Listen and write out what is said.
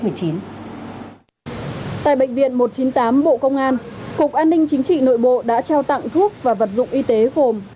tại bệnh viện một trăm chín mươi tám bộ công an cục an ninh chính trị nội bộ đã trao tặng thuốc và vật dụng y tế gồm